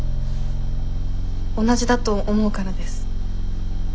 同じだと思うからです。